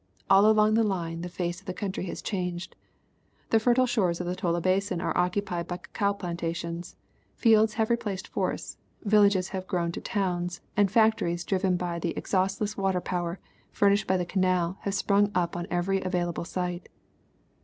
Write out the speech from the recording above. All along the line the face of the country has changed ; the fertile shores of the Tola basin are occupied by cacao plantations, fields have replaced forests, vil lages have grown to towns, and factories driven by the exhaust less water power furnished by the canal have sprung up on every available site."